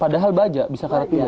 padahal baja bisa karatnya